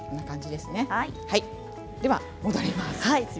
では戻ります。